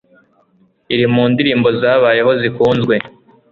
iri mu ndirimbo zabayeho zikunzwe